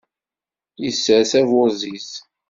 Yessers aburziz.